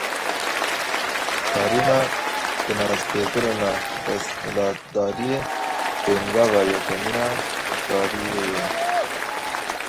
Karîna tinazpêkirina desthilatdariyê, pêngava yekemîn a rizgariyê ye.